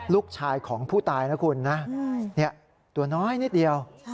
ลูกชายของผู้ตายนะคุณนะตัวน้อยนิดเดียว